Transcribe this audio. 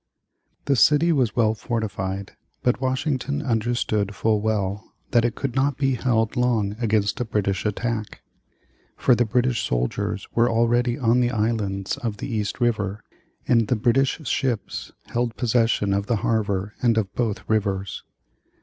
The city was well fortified, but Washington understood full well that it could not be held long against a British attack. For the British soldiers were already on the islands of the East River, and the British ships held possession of the harbor and of both rivers.